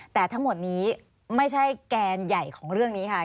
แต่ทั้งหมดนี้ไม่ใช่แกนใหญ่ของเรื่องนี้ค่ะ